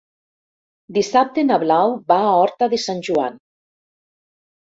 Dissabte na Blau va a Horta de Sant Joan.